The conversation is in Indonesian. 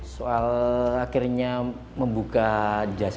soal akhirnya membuka jasa